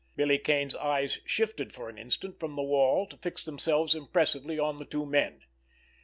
Billy Kane's eyes shifted for an instant from the wall to fix themselves impressively on the two men.